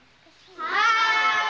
はい。